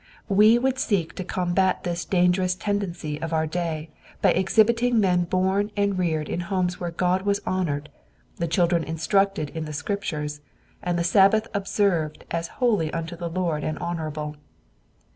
We would seek to combat this dangerous tendency of our day by exhibiting men born and reared in homes where God was honored, the children instructed in the Scriptures, and the Sabbath observed as holy unto the Lord and honorable.